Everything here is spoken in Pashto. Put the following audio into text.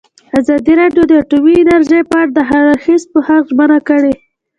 ازادي راډیو د اټومي انرژي په اړه د هر اړخیز پوښښ ژمنه کړې.